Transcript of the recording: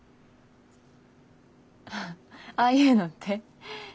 ああいうのって？